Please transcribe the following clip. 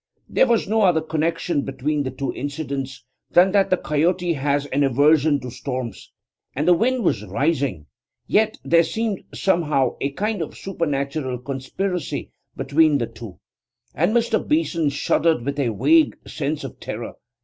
There was no other connection between the two incidents than that the coyote has an aversion to storms, and the wind was rising; yet there seemed somehow a kind of supernatural conspiracy between the two, and Mr. Beeson shuddered with a vague sense of terror.